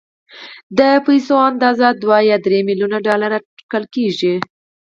د پيسو اندازه دوه يا درې ميليونه ډالر اټکل کېږي.